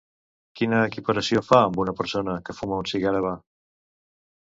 Quina equiparació fa amb una persona que fuma un cigar havà?